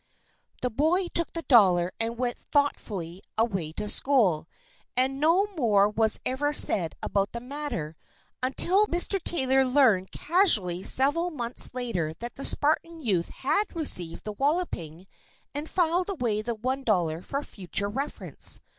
The boy took the dollar and went thoughtfully away to school and no more was ever said about the matter until Mr. Taylor learned casually several months later that the Spartan youth had received the walloping and filed away the $1 for future reference.